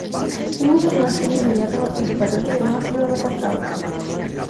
Un uso comercial inmediato de su patente no ha sido reportado.